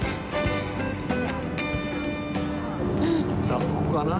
あっここかな？